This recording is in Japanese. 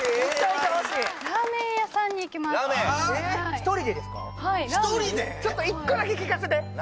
はいちょっと１個だけ聞かせて何？